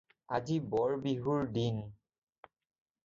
আজি বৰ বিহুৰ দিন